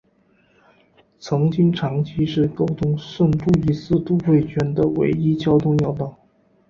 曾经长期是沟通圣路易斯都会圈的唯一的交通要道。